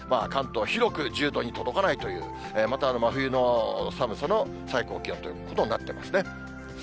関東、広く１０度に届かないという、また真冬の寒さの最高気温ということになっていますね。